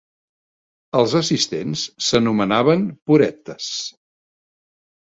Els assistents s'anomenaven "Purettes".